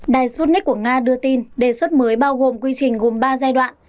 đài sputnik của nga đưa tin đề xuất mới bao gồm quy trình gồm ba giai đoạn